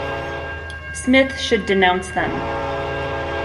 Smith should denounce them.